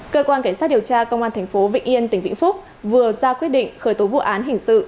cơ quan kiểm sát điều tra công an tp hcm tỉnh vĩnh phúc vừa ra quyết định khởi tố vụ án hình sự